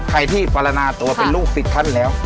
ใครที่ปรณาตัวเป็นลูกศิษย์ท่านแล้ว